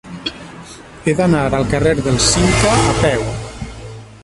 He d'anar al carrer del Cinca a peu.